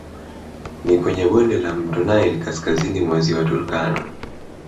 Ni kwenye bonde la mto Nile kaskazini mwa ziwa Turkana